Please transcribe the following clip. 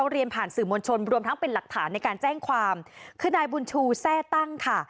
เรียนผ่านสื่อมวลชนรวมทั้งเป็นหลักฐานในการแจ้งความคือนายบุญชูแทร่ตั้งค่ะ